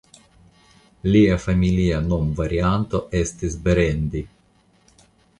Lia familia nomvarianto estis Berendi.